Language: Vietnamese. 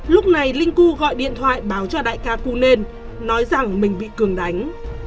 lúc này linh cu gọi điện thoại báo cho đại ca cunên nói rằng mình bị cường đánh